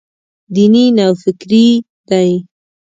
دیني نوفکري دی.